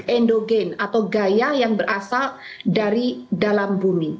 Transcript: endogen atau gaya yang berasal dari dalam bumi